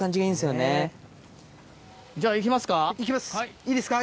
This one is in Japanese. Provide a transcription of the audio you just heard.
じゃあ行きますか。